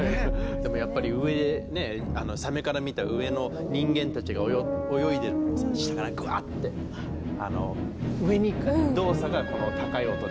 でもやっぱり上でねサメから見た上の人間たちが泳いでるのを下からグワッて上に行く動作がこの高い音で。